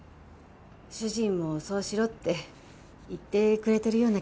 主人もそうしろって言ってくれてるような気がして。